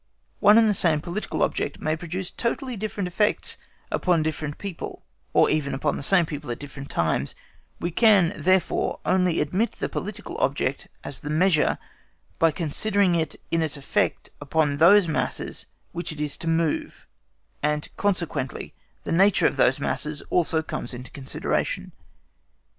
One and the same political object may produce totally different effects upon different people, or even upon the same people at different times; we can, therefore, only admit the political object as the measure, by considering it in its effects upon those masses which it is to move, and consequently the nature of those masses also comes into consideration.